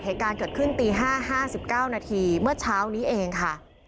เหตุการณ์เกิดขึ้นตี๕๕๙นาทีเมื่อเช้านี้เองค่ะ